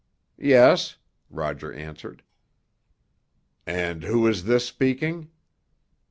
"Yes," Roger answered. "And who is this speaking?"